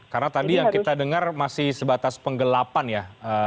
karena tadi yang kita dengar masih sebatas penggelapan ya